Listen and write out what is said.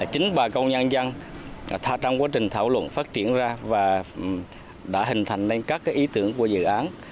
chính bà con nhân dân trong quá trình thảo luận phát triển ra và đã hình thành nên các ý tưởng của dự án